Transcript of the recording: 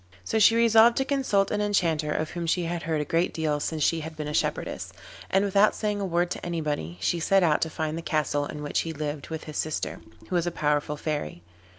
So she resolved to consult an Enchanter of whom she had heard a great deal since she had been a shepherdess, and without saying a word to anybody she set out to find the castle in which he lived with his sister, who was a powerful Fairy.